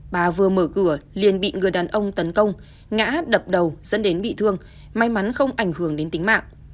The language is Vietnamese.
bà vừa mở cửa liền bị người đàn ông tấn công ngã đập đầu dẫn đến bị thương may mắn không ảnh hưởng đến tính mạng